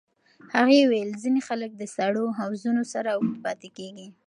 هغې وویل ځینې خلک د سړو حوضونو سره اوږد پاتې کېږي.